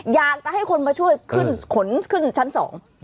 อยากจะให้คนมาช่วยขึ้นขนขึ้นชั้นสอง